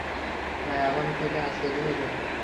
না, এখন থেকে আজকের দিনের জন্য।